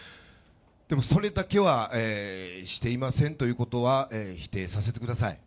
でもそれだけはしていませんということは否定させてください。